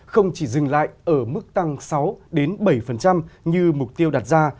không chỉ dừng lại ở mức tăng sáu bảy như mục tiêu đặt ra